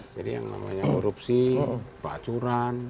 jadi yang namanya korupsi pacuran